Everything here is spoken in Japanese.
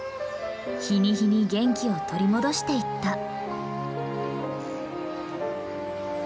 日に日に元気を取り戻していった。